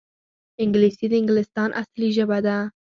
انګلیسي د انګلستان اصلي ژبه ده